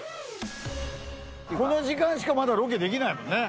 この時間しかまだロケできないもんね